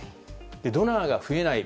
ドナーが増えない